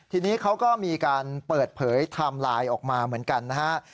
ทีนี้เขาก็มีการเปิดเผยไทม์ไลน์ออกมาเหมือนกันนะฮะ